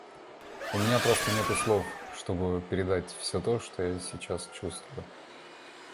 У меня просто нету слов, чтобы передать все то, что я сейчас чувствую.